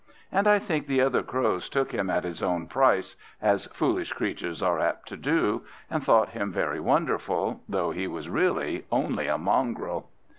And I think the other Crows took him at his own price, as foolish creatures are apt to do, and thought him very wonderful, though he was really only a mongrel.